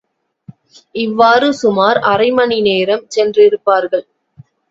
இவ்வாறு சுமார் அரை மணி நேரம் சென்றிருப்பார்கள்.